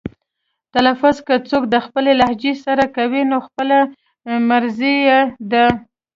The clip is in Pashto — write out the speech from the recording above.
تلفظ که څوک د خپلې لهجې سره کوي نو خپله مرزي یې ده.